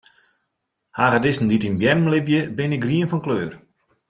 Hagedissen dy't yn beammen libje, binne grien fan kleur.